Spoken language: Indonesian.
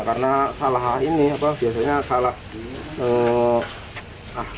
karena salah ini apa biasanya salah